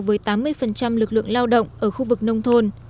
với tám mươi lực lượng lao động ở khu vực nông thôn